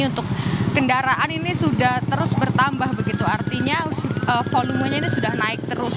untuk kendaraan ini sudah terus bertambah begitu artinya volumenya ini sudah naik terus